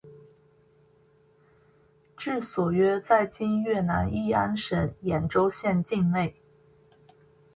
治所约在今越南乂安省演州县境内。